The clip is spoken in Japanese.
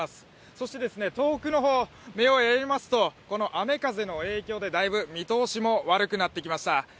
そして、遠くの方、目をやりますと雨・風の影響でだいぶ見通しも悪くなってきました。